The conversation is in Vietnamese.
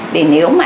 để nếu mà